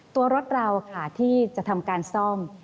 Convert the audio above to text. ตัวรถเราค่ะที่จะทำการซ่อม